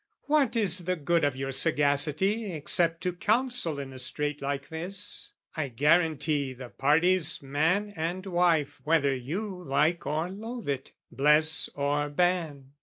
"What is the good of your sagacity "Except to counsel in a strait like this? "I guarantee the parties man and wife "Whether you like or loathe it, bless or ban.